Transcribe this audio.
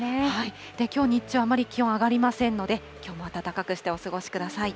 きょう日中はあまり上がりませんので、きょうも暖かくしてお過ごしください。